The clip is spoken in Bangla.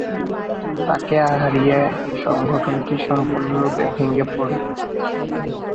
তাকে হারিয়ে সংগঠনটি সম্পূর্ণরূপে ভেঙেপড়ে।